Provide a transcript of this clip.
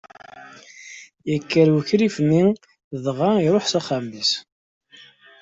Ikker wukrif-nni, dɣa iṛuḥ s axxam-is.